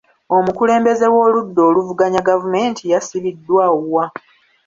Omukulembeze w'oludda oluvuganya gavumenti yasibiddwa wa?